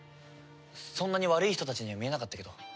そんなに悪い人たちには見えなかったけど。